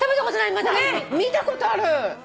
これ見たことある！